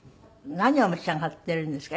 何を召し上がっているんですか？